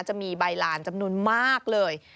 จะมีใบลานจำนวนมากเลย